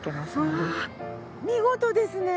はあ見事ですね！